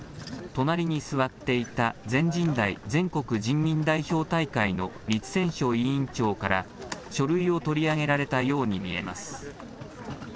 隣に座っていた、全人代・全国人民代表大会の栗戦書委員長から書類を取り上げられたように見えます。